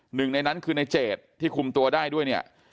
หนึ่งในนั้นคือในเจดที่คุมตัวได้ด้วยเนี่ย